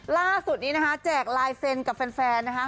ล่าสุดนี้นะฮะแจกไลฟ์เซ็นกับแฟนนะฮะ